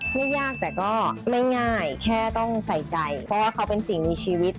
ไม่ยากแต่ก็ไม่ง่ายแค่ต้องใส่ใจเพราะว่าเขาเป็นสิ่งมีชีวิต